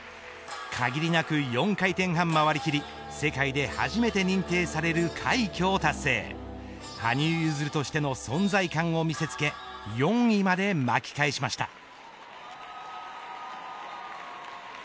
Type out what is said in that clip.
限りなく回転半を回りきり世界で初めて認定される快挙を達成へ羽生結弦としての存在感を見せ付け４位まで巻き返しました。